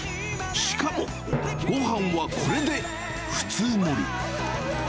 しかも、ごはんはこれで普通盛り。